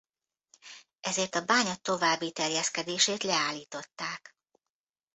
Ezért a bánya további terjeszkedését leállították.